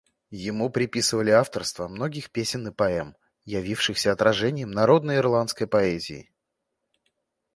Ему приписывали авторство многих песен и поэм, явившихся отражением народной ирландской поэзии.